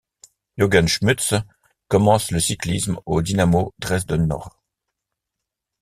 Jürgen Schütze commence le cyclisme au Dynamo Dresden-Nord.